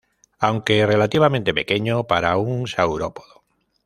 Aunque relativamente pequeño para un saurópodo.